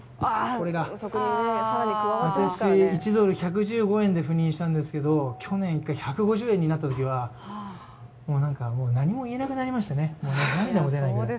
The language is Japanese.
これが私、１ドル＝１１５円で赴任したんですけど去年１回１５０円になったときは何も言えなくなりましたね、涙も出ないくらい。